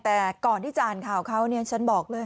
แต่ก่อนที่จะอ่านข่าวเขาเนี่ยฉันบอกเลย